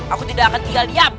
aku tidak akan tinggal diam